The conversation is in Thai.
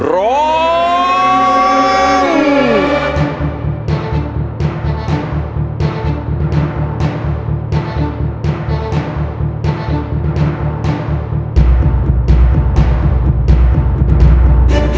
ร้อง